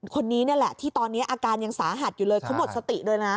คนนี้นี่แหละที่ตอนนี้อาการยังสาหัสอยู่เลยเขาหมดสติเลยนะ